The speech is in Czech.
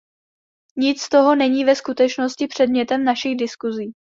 Nic z toho není ve skutečnosti předmětem našich diskusí.